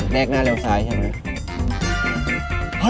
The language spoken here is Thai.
แรกหน้าเลี้ยวซ้ายใช่ไหม